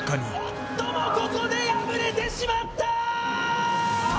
夫もここで敗れてしまったー。